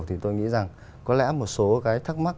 thì tôi nghĩ rằng có lẽ một số cái thắc mắc